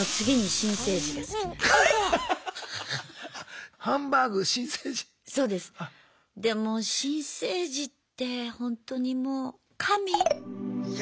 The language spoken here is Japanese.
新生児ってほんとにもう神。